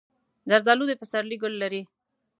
زردالو د پسرلي ګل لري.